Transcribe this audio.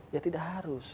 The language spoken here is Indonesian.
ya tidak harus